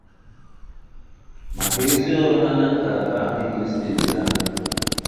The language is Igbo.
maka ezi ọrụ ha na ngalaba ahụike steeti ahụ.